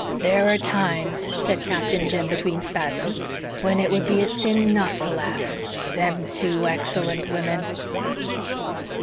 "There are times," said Captain Jim, between spasms, "when it would be a sin NOT to laugh. Them two excellent women!"